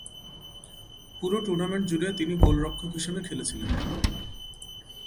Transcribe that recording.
পুরো টুর্নামেন্ট জুড়ে তিনি গোলরক্ষক হিসাবে খেলেছিলেন।